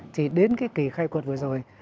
thì đến cái kỳ khai quật vừa rồi